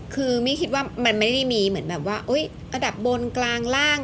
คือมี่คิดว่ามันไม่ได้มีเหมือนแบบว่าระดับบนกลางล่าง